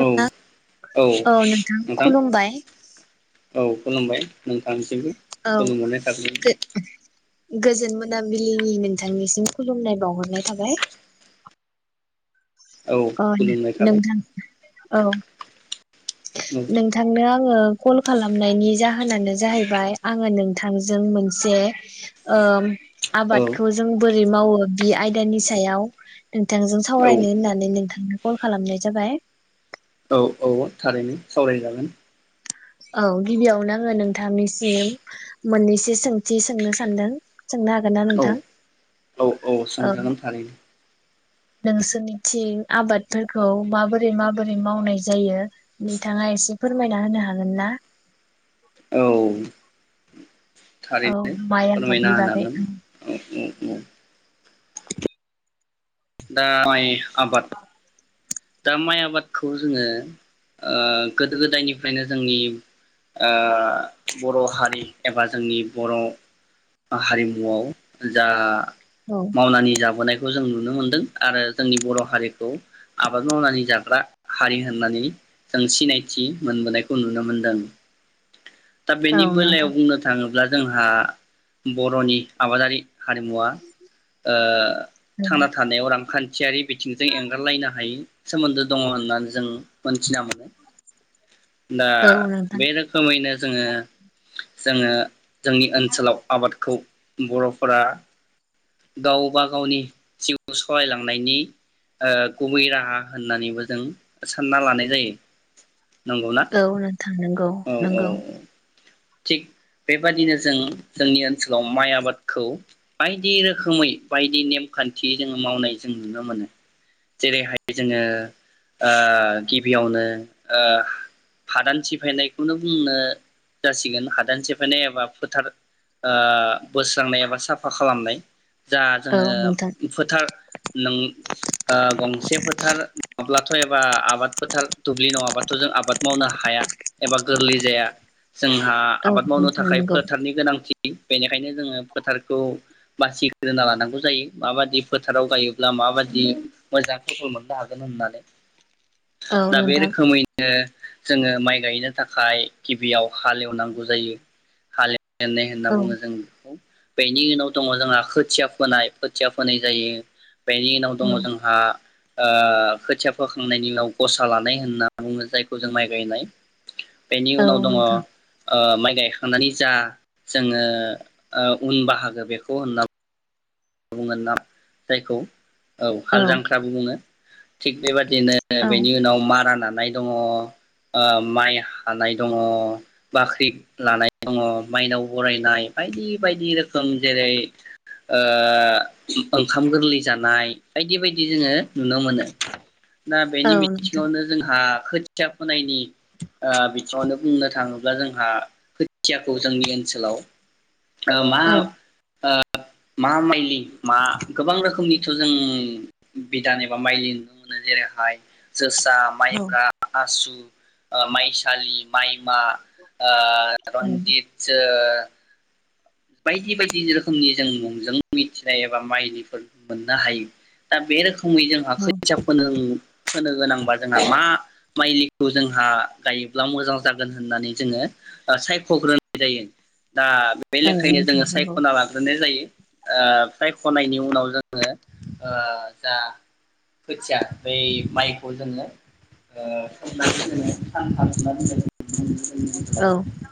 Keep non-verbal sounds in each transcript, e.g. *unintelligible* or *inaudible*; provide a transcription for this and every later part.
औ औ नोंथां खुलुमबाय। औ खुलुमबाय। नोंथांसिमबो औ खुलु हरनाय थाग्रोबाइ । गोजोन मोनाबिलि नोंथांनिसिम खुलुमनाय बावहरनाय थाबाय । औ अ नो खुलुमनाय थाबाय नोंथां । औ । औ नोंथांनो आङो । कल खालामनायनि जाहोनानो जाहैबाय आङो नोंथांजों मोनसे ओम आबादखौ जों बो बोरै मावो बि आयदानि सायाव नोंथांजों औ सावरायनो होननानै नोंथांनो कल खालामनाय जाबाय। औ औ थारैनो सावरायजागोन । औ गिबियावनो आङो नोंथांनिसिम मोननैसो सोंथि सोंनो सानदों सोंनो हागोन ना औ नोंथां? औ औ सोंजागोन थारैनो। नोंसोरनि थिं आबादफोरखौ माबोरै माबोरै मावनाय जायो नोंथाङा एसे फोरमायना होनो हागोन ना? औ औ थारैनो माइ फोरमायना आबादनि बागै होननांगोन औ औ। उम दा माइ आबाद दा माइ आबादखौ जोङो ओ गोदो गोदायनिफ्रायनो जोंनि ओ बर हारि एबा जोंनि बर हारिमुआव जा औ मावनानानै जाबोनाय खौ जों नुनो मोनदों आरो जोंनि बर हारिखौ आबाद मावनानै जाग्रा हारि होननानै जों सिनायथि मोनबोनायखौ नुनो मोनदों। दा औ बेनि बेलायाव नोंथां बुंनो थाङोब्ला जोंहा बर'नि आबादारि। हारिमुवा ओ औ थांना थानायाव रांखान आरि बिथिंजों एंगारलायना हायि सोमोन्दो दङ होननानै जों मोनथिना मोनो। दा औ नोंथां बे रोखोमैनो जोङो जोङो जोंनि ओनसोलाव आबादखौ बर'फोरा गावबा गावनि जिउ सलायलांनायनि ओ गुबै राहा होननानैबो जों सानना लानाय जायो। नंगौना औ नोंथां नंगौ औ औ नंगौ थिग बेबादिनो जों जोंनि ओनसोलाव माइ आबादखौ बाय दि रोखोमै बायदि नेमखान्थि जोङो मावनाय जों नुनो मोनो। जेरैहाय जोङो ओ गिबियावनो ओ हादान सिफायनायखौनो बुंनो जासिगोन हादान सिफायनाय एबा फोथार ओ बोस्रांनाय एबा साफा खालामनाय। जा औ नोंथां जोङो फोथार नों ओ गंसे फोथार नङाब्ला थ' एबा आबाद फोथार दुब्लि नङाबाथ' जों आबाद मावनो हाया एबा गोरलै जाया। जोंहा औ आबाद मावनो नोंथां थाखाय नंगौ फोथारनि गोनांथि। बेनिखायनो जोङो फोथारखौ बासि ग्रोना लानांगौ जायो माबादि फोथाराव गायोब्ला माबादि मोजां फसल मोननो हागोन होननानै। औ दा बे नोंथां रोखोमैनो जोङो माइ गायनो थाखाय गिबियाव हालेवनांगौ जायो हालेव जेननाय होनना औ बुङो जों बेखौ। बेनि उनाव दङ जोंहा खोथिया फोनाय खोथिया फोनाय जायो। बेनि उनाव औ दङ जोंहा ओ खोथिया फोखांनायनि उनाव गसा लानाय होनना बुङो जायखौ जों माइ गायनाय। बेनि औ उनाव दङ ओ नोंथां माइ गायखांनानै जा जोङो ओ उन बाहागो बेखौ *unintelligible* बुंगोन नाम जायखौ औ हाल जांख्राबो बुङो। थिग बेबादि दिनो औ बेनि उनाव मारा ना नाय दङ ओ माइ हानाय दङ' बाख्रि लानाय दङ मायनाव बरायनाय बायदि बायदि रोखोम जेरै ओ ओ ओंखाम गोरलै जानाय बायदि बायदि जोङो नुनो मोनो। *unintelligible* ना औ बेनि नोंथां बिथिङावनो जोंहा। खोथिया फोनायनि ओ बिथिङावनो बुंनो थाङोब्ला जोंहा। थियाखौ जोंनि ओनसोलाव। ओ औ माब ओ। मा माइलि मा गोबां रोखोमनिथ' जों बिधान एबा माइलि नुनो मोनो जेरैहाय। जोसा माइब्रा। ओ माइसालि माइमा ओ। औ रनजित जो। *unintelligible* बायदि बायदि रोखोमनि जों मुंजों मिथिनाय एबा माइनलिफोर मोननो हायो दा बे रोखोम। फुंमै जोंहा खोथिया फोनोम। फोनो गोनांबा जोंहा मा माइलिखौ जोंहा गायोब्ला मोजां जागोन होननानै जोङो। ओ सायख'ग्रोनाय जायो। दा। बे औ लेखायैनो नोंथां जोङो नंगौ सायख'ना लाग्रोनाय जायो। ओ सायख'नायनि उनाव जोङो ओ दा खोथिया बै माइखौ जोङो। ओ *unintelligible* सानथाम सोमना औ दोनजायो। *unintelligible*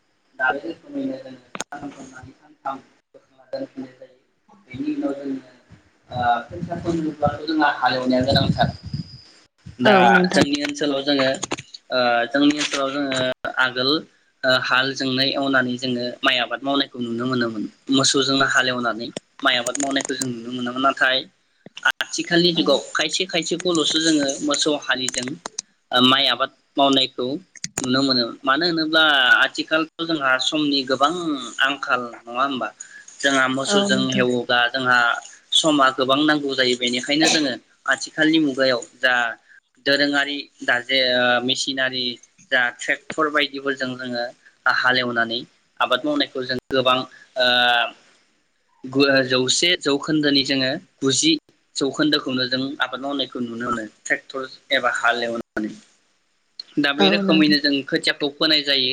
*unintelligible* ाथामननानै सानथामोखांा दोनफिननाय जायो बेनि उनाव जोङो फन्सा खन नोब्लाथ' जोंहा हालेवनाया गोनांथार। औ दा नोंथां जों। जोङो ओ जोंनि ओनसोलाव जोङो आगोल हालजोंनो जोंनाय एवनानै जोङो। माइ आबाद मावनायखौ नुनो मोनोमोन मोसौजोंनो हालेवनानै माइ आबाद मावनायखौ जों नुनो मोनोमोन नाथाय। आथिखालनि औ जुगाव खायसे खायसेखौल'सो जोङो मोसौ। हालिजों ओ माइ आबाद मावनाय। खौ नुनो मोनो मानो होनोब आथिखालथ' जोंहा समनि गो गोबां आं। आंखाल नङा होमबा जोंहा औ मोसौजों हेवोबा जोंहा। समा गोबां नांगौ जायो बेनिखायनो जोङो आथिखालनि मुगायाव जा दोरोङारि दा जे ओ मेसिनारि जा ट्रेक्टर बायदिफोरजों जोङो हालेवनानै। आबाद मावनायखौ जों गोबां ओ। दा नोंथां बे औ नोंथां रोखोमैनो जों खोथियाखौ। फोनाय जायो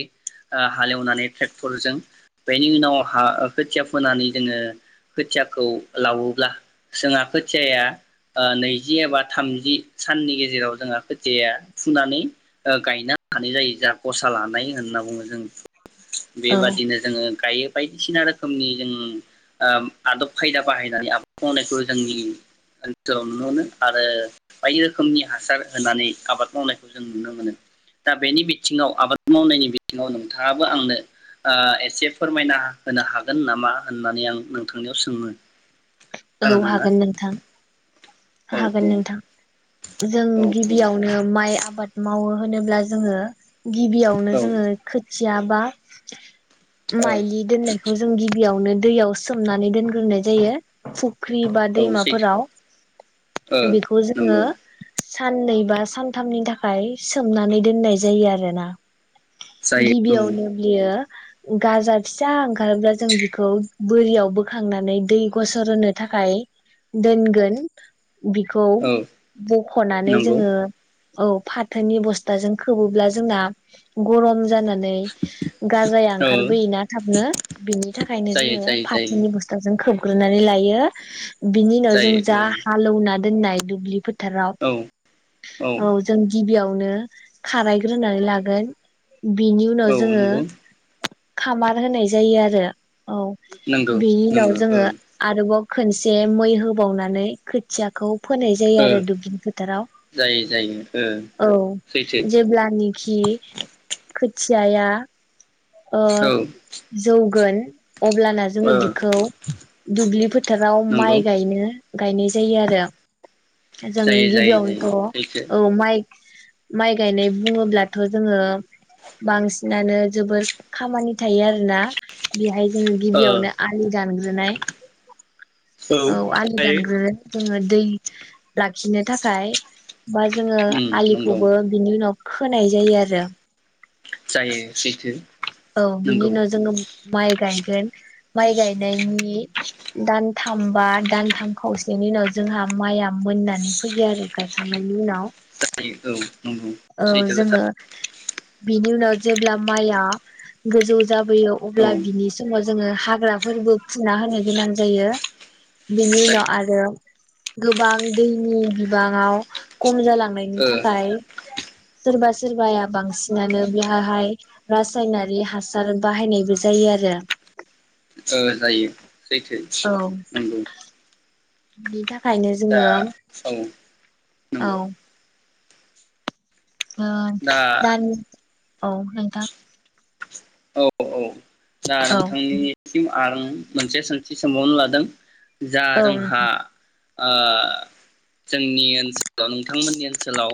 ओ हालेवनानैे टे्क टरजों बेनि उनाव हा खोथिया फोनानै जोङो खोथियाखौ लादोंब्ला जोंआ खोथियाया नैजि एबा थामजि साननि गेजेराव जोंङा खोथियाया ओ फुनानै गायनो हानाय जायो जोंहा गसा लानाय होनना बुङो जों। औ बेबादिनो जोङो गायो। बायदिसिना रोखोमनि जों ओ आदब खायदा बाहायनानै आबाद मावनायखौ जोंनि ओनसोलाव नुनो मोनो आरो बायदि रोखोमनि हासार होनानै आबाद मावनायखौ जों नुनो मोनो। दा बेनि बिथिङाव आबाद मावनायनि बिथिङाव नोंथाङाबो आंनो ओ एसे फोरमायना होनो हागोन नामा होननानै आं नोंथांनियाव सोङो? औ हागोन नोंथां। औ हागोन नोंथां। जों औ गिबियावनो माइ आबाद माव मावो होनोब्ला जोङो गिबियावनो औ जोङो खो खियाबा औ माइलि दोननायखौ जों गिबियावनो दैयाव सोमनानै दोनग्रोनाय जायो। फु फुख्रि बा ओ औ दैमाफोराव सैथो ओ बेखौ जोङो नंगौ साननै बा सानथामनि थाखाय सोमनानै दोननाय जायो आरोना। जायो औ गिबियावनो बियो गाजा फिसा ओंखारोब्ला जों बिखौ बोरियाव बोखांनानै दै गस सर होनो थाखाय दोनगोन। बिखौ औ बख'नानै नंगौ जोङो औ फाथोनि बस्थाजों खोबोब्ला जोंना गरम जानानै गाजा औ ओंखारबोयोना थाबनो बिनि थाखायनो जायो जोङो जायो जायो फाथोनि बस्था जों खोब नानै लायो। बिनि उनाव जों जा जायो औ हालौवनानै दोनाय दुब्लिफो थाराव औ औ जों गिबियाव नो खारायग्रोनानै लागोन। बिनि उनाव औ जोङो नंगौ खामार होनाय जायो आरो। औ नंगौ बेनि उनाव नंगौ जोङो ओ आरोबाव खनसे मै होबावनानै खोथियाखौ फोनाय जायो आरो ओ दुब्लि फोथाराव जायो जायो ओ औ सैथो जेब्लानिखि खोथियाया ओ औ जौगोन। *inaudible* अब्लाना जोङो ओ बिखौ दुब्लि फोथाराव नंगौ माइ गायनो गायनाय जायो आरो। जों जायो जायो गिबियावनोथ' जायो सैथो ओ माइ माइ गायनाय बुङोब्लाथ' जोङो बांसिनानो जोबोर खामानि थायो आरोना बेहाय ओ ओ गिबियावनो आलि दान ग्रोनाय औ आलिदानग्रो जोङो दै लाखिनो थाखाय बा जोङो उम नंगौ आलिखौबो बिनि उनाव खोनाय जायो आरो। जायो सैथो। औ बिनि नंगौ उनाव जोङो माइ गायगोन। माइ गायनायनि दानथाम बा दानथाम खावसेनि उनाव जोंहा माइआ मोननानै फैयो आरो गायखांनायनि उनाव। फैयो औ। नंगौ औ सैथो खोथा जोङो बिनि उनाव जेब्ला माइआ गोजौ जाबोयो औ अब्ला बिनि समाव जोङो हाग्राफोरबो फुना होनो गोनां जायो बिनि उनाव जायो आरो औ गोबां दैनि बिबाङाव खम जालां नायनि ओ थाखाय सोरबा सोरबाया बांसिनानो बेहाहाय रासायनारि हासार बाहायनायबो जायो आरो। ओ जायो। सैथो औ नोंगौ। बिनि था खायनो जोङो औ औ नंगौ ओ दा दानि औ नोंथां। औ औ। दा औ नोंथांनिसिम आं मोनसे सों थि सोंबावनो लादों। जा औ जोंहा ओ जोंनि ओनसोलाव नोंथांमोननि ओनसोलाव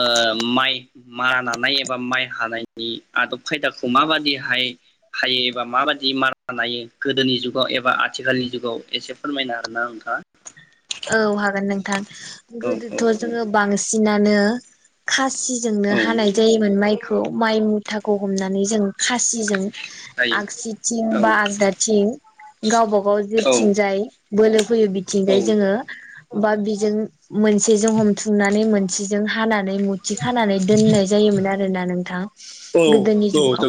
ओ माइ मारा नानाय एबा माइ हानायनि आदब खायदाखौ माबादियै हाय हायो एबा माबायदि मारा नायो गोदोनि जुगाव एबा आथिखालनि जुगाव एसे फोरमायना हागोनना नोंथाङा। औ हागोन नोंथां। औ औ गोदोथ' जोङो बांसि सिनानो खास सिजोंनो औ हानाय जायोमोन माइख थुआव माइ मुथाखौ हमना निजों खासिजों हायो आगसिथिं औ बा आगदाथिं गावबा गाव औ जेथिंजाय बोलो फोयो बिथिंजाय नंगौ जोङो बा बिजों मोनसेजों हमथुमनानै मोनसेजों हानानै मु थि खानानै दोननाय जायोमोन आरो। होना नोंथां। गोदोनि जुगाव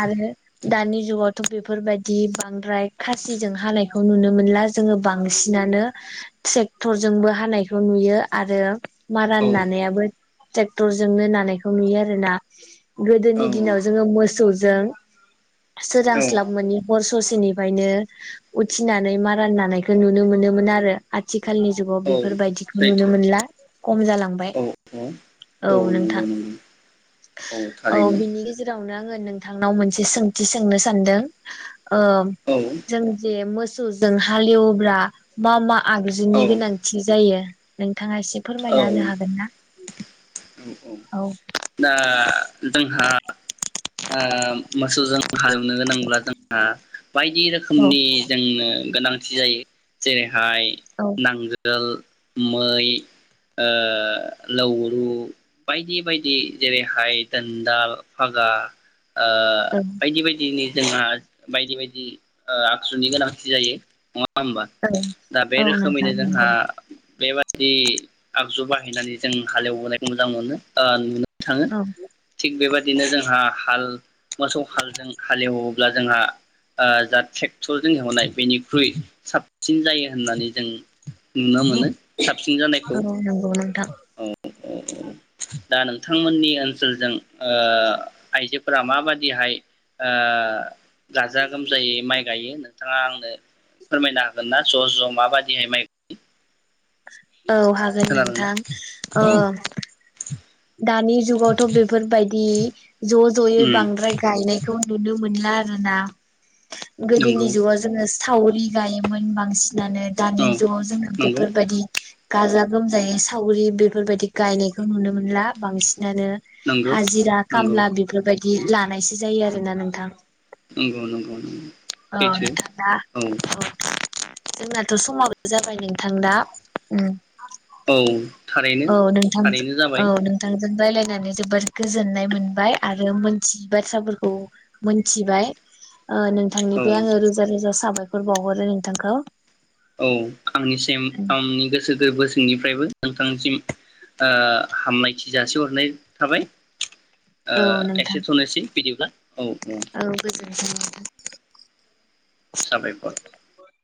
आरो दानि जुगावथ' बेफोरबायदि बांद्राय खासिजों हानायखौ नुनो मोनला जोङो बांसिनानो ट्रेक्टरजोंबो हानायखौ नुयो आरो मारान नानायाबो ट्रेक्टरजोंनो नानायखौ नुयो आरो ना। औ गोदोनि दिनाव जोङो मोसौ जों। औ सोरांस्लाब मोनि हर ससेनिफ्रायनो उथिनानै मारान नानायखौ नुनो मोनोमोन आरो। रो आथिख खालनि जुगाव औ बेफोरबायदिखौ नुनो सैथो मोनला कम जालांबाय औ औ औ नोंथां नंगौ नंगौ औ बिनि गेजेरावनो आङो नोंथांनाव मोनसे सोंथि सोंनो सानदों। ओ औ जों जे मोस सौ जों हालिवोब्ला मा मा? औ आगजुनि गोनांथि जायो। नों नोंथाङा एसे औ फोरमायना होनो हागोन ना? औ दा जोंहा ओ मोसौजों हालौनो गोनांब्ला जोंहा बायदि औ रोखोमनि जोंनो गोनांथि जायो जेरै हाय औ नांगोल। मै ओ लौरु बायदि बायदि जेरैहाय दोन्दाल फागा ओ औ बायदि बायदिनि जोंहा बायदि बायदि आखजुनि गोनांथि जायो नङा होमबा दा बे औ औ नोंथां रोखोमैनो जोंहा नंगौ बेबायदि जि आगजु बाहायनानै जों हालेवबोनायखौ मोजां मोनो ओ नुनो थाङो औ थिग बेबायदि बिदिनो जोंहा हाल मोसौ हालजों हालेवोब्ला जोंहा ओ जा ट्रेक्टर जों एवनाय बेनिख्रुइ साबसिन जायो होननानै जों नुनो मोनो साबसिन जानायखौ औ नंगौ नोंथां औ दा नोंथांमोननि ओनसोलजों ओ आइजो फोरा माबादिहाय ओ गाजा गोमजायै माइ गायो होनो नोंथाङा आंनो फोरमायनो हागोन ना? ज' ज' माबाददिहाय माइ *unintelligible* औ हागोन खोनादोंना? नोंथां औ ओं। दानि जुगावथ' बेफोरबायदि बि ज' ज'यै उम बांद्राय गायनायखौ नुनो मोनला आरोना नंगौ गोदनि जुगाव जोंओ सावरि गायोमोन बांसिन नानै औ दानि जुगाव जोङो नंगौ बेफोरबायदि गाजा गोमजायै सावरि बेफोरबायदि गायनायखौ नुनो मोन मोनला बांसिन बिदिनो नंगौ हाजिरा नंगौ खामला बेफोरबायदि बिदि लानायसो जायो आरोना नोंथां नंगौ नंगौ नंगौ औ सैथो नोंथांदा औ जोंनाथ' समाबो जाबाय नोंथां दा उम औ थारैनो औ नोंथां थारैनो औ जाबाय नोंथांजों रायलायनानै जोबोद गोजोननाय मोनबाय आरो मोनथियै बाथ्राफोरखौ मोनथिबाय ओ नोङ औ बे आंङो रोजा रोजा साबायख बाव नोंथांखौ औ आंनिसिम आंनि गोसो। गोरबो सिंनिफ्रायबो नोंथांसिम हामलायथि जासिहरनाय थाबाय। ओ औ नोंथां एसे थनोसै बिदिब्ला। औ गोजोनथों। साबायखर।